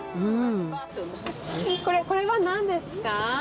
これは何ですか？